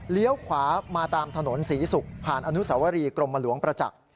ขวามาตามถนนศรีศุกร์ผ่านอนุสวรีกรมหลวงประจักษ์